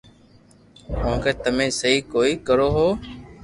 ڪويڪھ تمي سھي ڪوئي ڪرو ھون